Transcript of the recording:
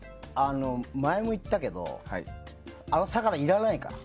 前も言ったけどあの魚いらないから。